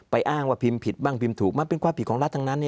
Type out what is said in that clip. อ้างว่าพิมพ์ผิดบ้างพิมพ์ถูกมันเป็นความผิดของรัฐทั้งนั้น